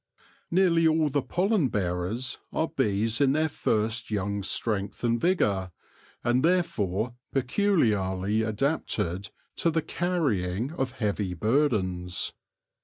Nearly all the pollen bearers are bees in their first young strength and vigour, and therefore peculiarly adapted to the carrying of heavy burdens.